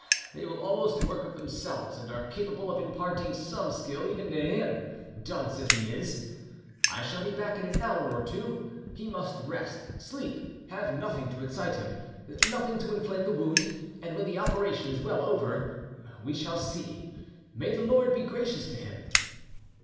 They will almost work of themselves, and are capable of imparting some skill even to him, dunce as he is!... I shall be back in an hour or two; he must rest, sleep, have nothing to excite him, nothing to inflame the wound; and when the operation is well over, we shall see! May the Lord be gracious to him!"